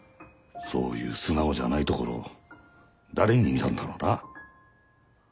そういう素直じゃないところ誰に似たんだろうな。